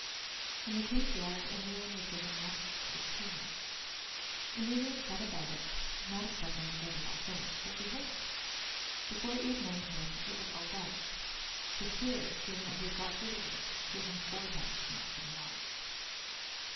In the King's yard Emelian was given enough work for two men. Emelian set about it, not expecting to get it all finished, but behold! before evening came it was all done. The steward, seeing that he had got through the work, gave him four times as much for the morrow.